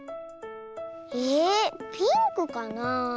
えピンクかなあ？